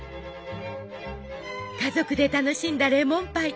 家族で楽しんだレモンパイ。